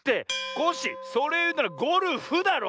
コッシーそれをいうならゴルフだろ。